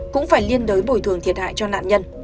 cũng phải liên đối bồi thường thiệt hại cho nạn nhân